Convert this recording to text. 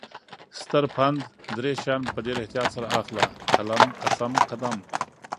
ستر پند: دری شیان په ډیر احتیاط سره اخله: قلم ، قسم، قدم